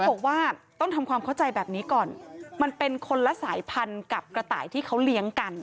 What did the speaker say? บอกว่าต้องทำความเข้าใจแบบนี้ก่อนมันเป็นคนละสายพันธุ์กับกระต่ายที่เขาเลี้ยงกัน